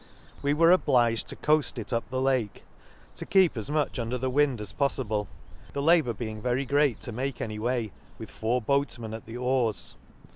— We were obliged to coaft it up the Lake, to keep as much under the wind as pofftble, the labour being very great to make the Lake s. 65 make any way, with four boat men at the oars.